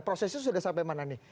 prosesnya sudah sampai mana nih